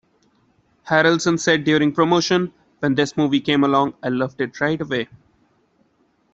Harrelson said during promotion: When this movie came along, I loved it right away.